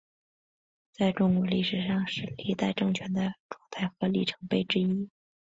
在中国历史上是历代政权的状态和里程碑之一。